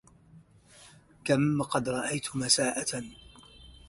كم قد رأيت مساءة